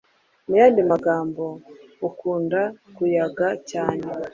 Mu yandi magambo, ukunda kuyaga cyane